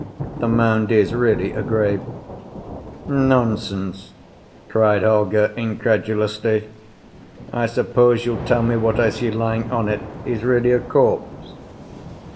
The mound is really a grave." "Nonsense!" cried Holger, incredulously. "I suppose you'll tell me what I see lying on it is really a corpse!"